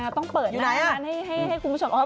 ต้องเปิดหน้านั้นให้คุณผู้ชมอยู่ไหนอ่ะ